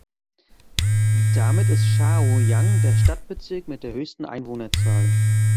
Damit ist Chaoyang der Stadtbezirk mit der höchsten Einwohnerzahl.